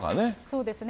そうですね。